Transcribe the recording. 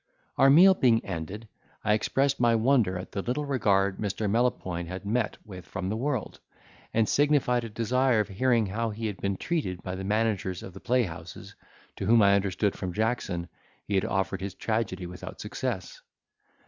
Our meal being ended, I expressed my wonder at the little regard Mr. Melopoyn had met with from the world: and signified a desire of hearing how he had been treated by the managers of the playhouses, to whom I understood from Jackson, he had offered his tragedy without success.